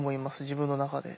自分の中で。